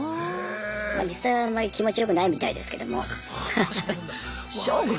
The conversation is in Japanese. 実際はあんまり気持ちよくないみたいですけども。